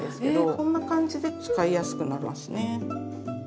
そんな感じで使いやすくなりますね。